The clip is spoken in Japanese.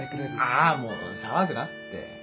あーもう騒ぐなって。